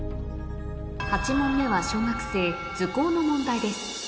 ８問目は小学生図工の問題です